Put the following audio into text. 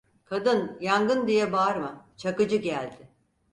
Kadın, yangın diye bağırma, Çakıcı geldi!